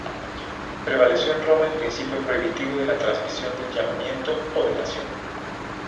Prevaleció en Roma el principio prohibitivo de la transmisión del llamamiento o delación.